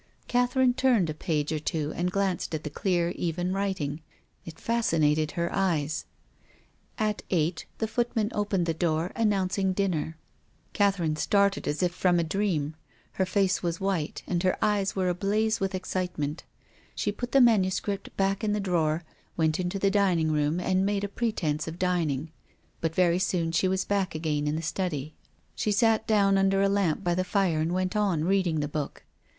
Catherine turned a page or two and glanced at the clear, even writing. It fascinated her eyes. At ciglit the footman opened the door, an nouncing dinner. 178 TONGUES OF CONSCIENCE. Catherine started as if from a dream. Her face was white and her eyes were ablaze with excite ment. She put the manuscript back in the drawer, went into the dining room and made a pretence of dining. But very soon she was back again in the study. She sat down under a lamp by the fire and went on reading the book.